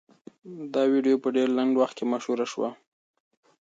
دا ویډیو په ډېر لنډ وخت کې مشهوره شوه.